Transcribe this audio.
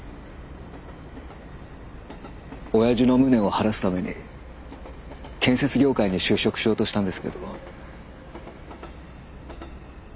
おやじの無念を晴らすために建設業界に就職しようとしたんですけど。